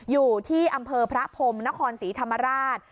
อยู่ที่อำเภอพระพรมนครศรีธรรมราช